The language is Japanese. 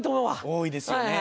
多いですよね。